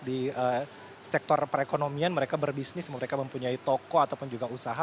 dan sektor perekonomian mereka berbisnis mereka mempunyai toko ataupun juga usaha